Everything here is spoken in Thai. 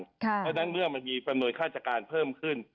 เพราะฉะนั้นเมื่อมันมีประโยชน์ฆาติการเพิ่มขึ้น